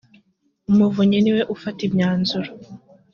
umuvunyi niwe ufata imyanzuro .